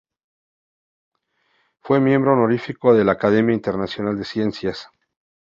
Fue miembro honorífico de la Academia Internacional de Ciencias.